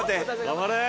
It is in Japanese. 頑張れ！